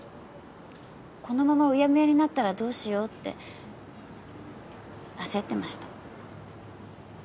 このままうやむやになったらどうしようって焦ってました。